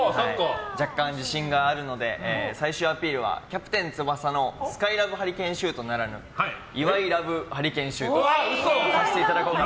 若干自信があるので最終アピールは「キャプテン翼」のスカイラブハリケーンシュートならぬイワイラブハリケーンシュートをさせていただこうかと。